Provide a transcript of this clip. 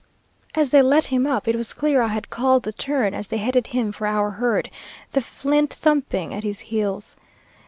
As they let him up, it was clear I had called the turn, as they headed him for our herd, the flint thumping at his heels.